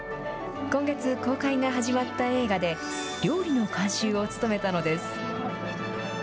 今月、公開が始まった映画で、料理の監修を務めたのです。